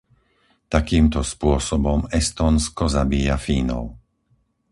Takýmto spôsobom Estónsko zabíja Fínov.